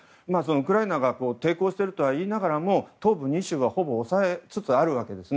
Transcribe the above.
ウクライナが抵抗しているといいながらも東部２州はほぼ押さえつつあるわけです。